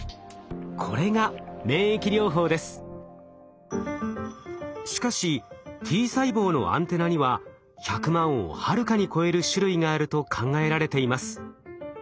これがしかしＴ細胞のアンテナには１００万をはるかに超える種類があると考えられています。